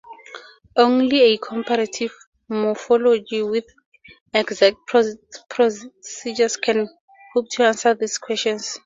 Only a comparative morphology with exact procedures can hope to answer these questions.